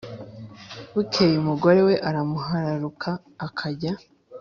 Bukeye umugore we aramuhararuka akajya